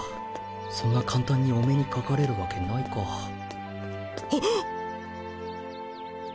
そんな簡単にお目にかかれるわけないかあっ！